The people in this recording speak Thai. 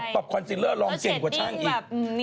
ปับคอนเซียลเลอร์ลองเก่งกว่าช่างอีก